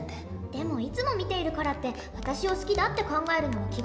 でもいつも見ているからって私を好きだって考えるのは気が早すぎない？